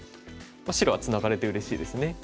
白はツナがれてうれしいですね。